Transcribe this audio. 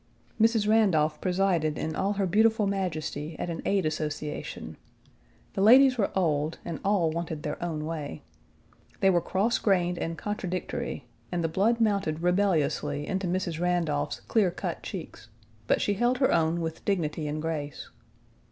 Mrs. Randolph presided in all her beautiful majesty at an aid association. The ladies were old, and all wanted their own way. They were cross grained and contradictory, and the blood mounted rebelliously into Mrs. Randolph's clear cut cheeks, but she held her own with dignity and grace.